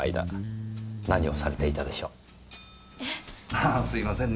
ああすいませんね。